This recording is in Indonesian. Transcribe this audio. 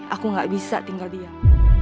aku gak bisa tinggal diam